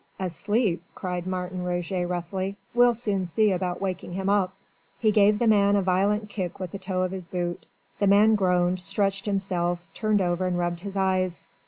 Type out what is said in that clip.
"Asleep?" cried Martin Roget roughly, "we'll soon see about waking him up." He gave the man a violent kick with the toe of his boot. The man groaned, stretched himself, turned over and rubbed his eyes.